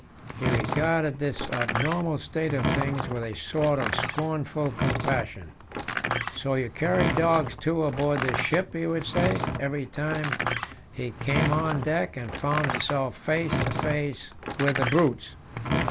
He regarded this abnormal state of things with a sort of scornful compassion. "So you carry dogs, too, aboard this ship," he would say, every time he came on deck and found himself face to face with the "brutes."